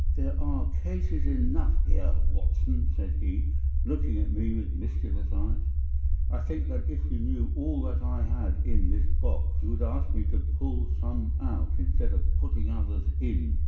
"There are cases enough here, Watson," said he, looking at me with mischievous eyes. "I think that if you knew all that I had in this box you would ask me to pull some out instead of putting others in."